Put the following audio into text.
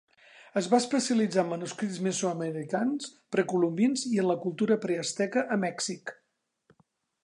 Es va especialitzar en manuscrits mesoamericans precolombins i en la cultura preasteca a Mèxic.